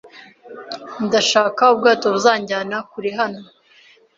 Ndashaka ubwato buzanjyana kure hano.